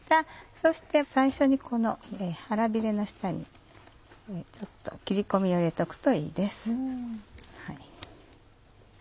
そして最初にこの腹ビレの下にちょっと切り込みを入れておくといいです。